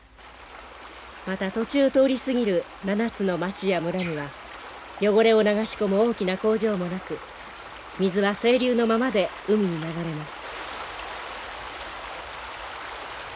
また途中通り過ぎる７つの町や村には汚れを流し込む大きな工場もなく水は清流のままで海に流れます。